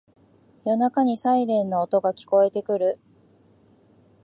夜中にサイレンの音が聞こえてくる